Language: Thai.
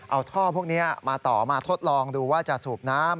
เอาท่อพวกนี้มาต่อมาทดลองดูว่าจะสูบน้ำ